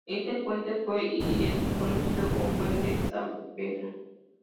Este puente fue y es conocido como Puente Saavedra.